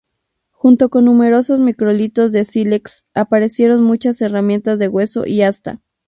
Junto con numerosos microlitos de sílex aparecieron muchas herramientas de hueso y asta.